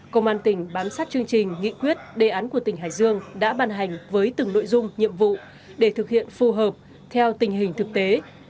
công an tỉnh bám sát chương trình nghị quyết đề án của tỉnh hải dương đã ban hành với từng nội dung nhiệm vụ để thực hiện phù hợp theo tình hình thực tế